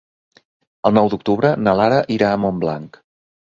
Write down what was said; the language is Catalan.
El nou d'octubre na Lara irà a Montblanc.